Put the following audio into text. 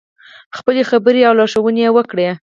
خپلې خبرې او لارښوونې یې وکړې.